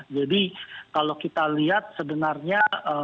jadi kalau kita lihat sebenarnya